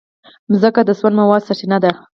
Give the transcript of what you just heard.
مځکه د سون موادو سرچینه ده.